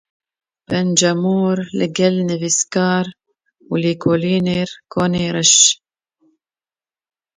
Pencemor li gel nivîskar û lêkoliner Konê Reş.